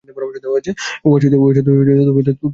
উহার সহিত তুলনায় নিদ্রা বিশ্রামই নয়।